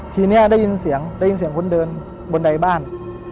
ทีนี้ได้ยินเสียงได้ยินเสียงคนเดินบนใดบ้าน